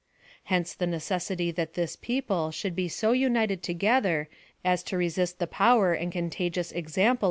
Hence the necessity that this people should be so united to gethei* as to resiyt the power and contagious exam PLAN OF SALVATION.